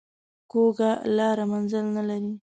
کوږه لار منزل نه لري